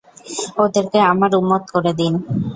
ওদেরকে আমার উম্মত করে দিন!